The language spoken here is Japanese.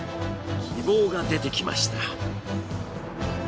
希望が出てきました。